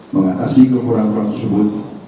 mengatasi kekurangan kurang tersebut